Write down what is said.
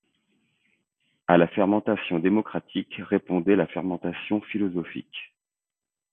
À la fermentation démocratique répondait la fermentation philosophique.